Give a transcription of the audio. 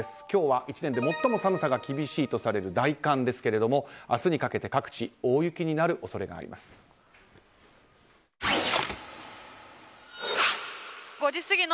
今日は１年で最も寒さが厳しいとされる大寒ですが、明日にかけて各地大雪になる恐れがあります。